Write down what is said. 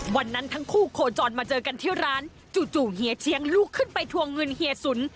วันนั้นทั้งคู่โคจรมาเจอกันที่ร้านจู่เฮียเชียงลุกขึ้นไปทวงเงินเฮียสุน